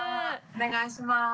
お願いします。